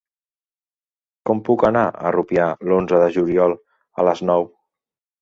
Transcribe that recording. Com puc anar a Rupià l'onze de juliol a les nou?